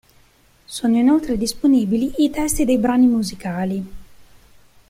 Sono inoltre disponibili i testi dei brani musicali.